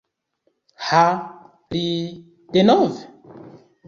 Ha, li... denove?!